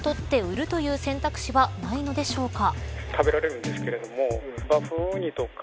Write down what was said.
採って売るという選択肢はないのでしょうか。